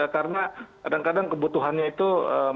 karena kadang kadang kebutuhannya itu melampaui